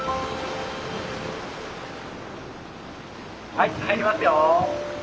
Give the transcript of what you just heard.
はい入りますよ。